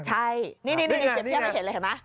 ใช่นี่ผมเห็นเลยเห็นไหม